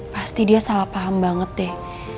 pasti dia salah paham banget deh